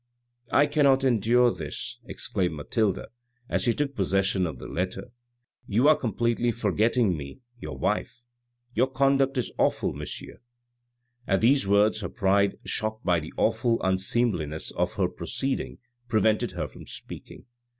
" I cannot endure this," exclaimed Mathilde, as she took possession of the letter, "you are completely forgetting me, me your wife, your conduct is awful, monsieur." At these words her pride, shocked by the awful unseem liness of her proceeding, prevented her from speaking.